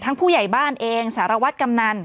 ผู้ใหญ่บ้านเองสารวัตรกำนัน